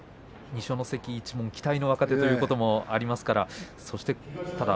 二所ノ関一門期待の若手ということもあります。